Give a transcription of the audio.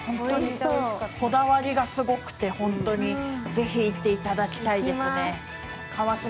こだわりがすごいので、ぜひ行っていただきたいですね。